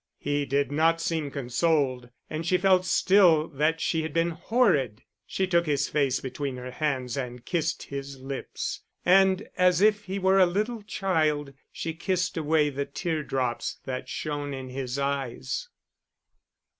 He did not seem consoled, and she felt still that she had been horrid. She took his face between her hands and kissed his lips. And, as if he were a little child, she kissed away the tear drops that shone in his eyes.